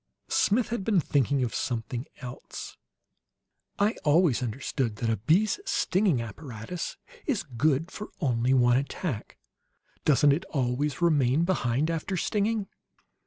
Smith had been thinking of something else. "I always understood that a bee's stinging apparatus is good for only one attack. Doesn't it always remain behind after stinging?"